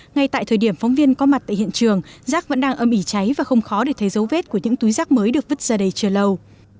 ngay tại thời điểm phóng viên có mặt tại hiện trường rác vẫn đang âm ỉ cháy và không khó để thấy dấu vết của những túi rác mới được vứt ra đây chưa lâu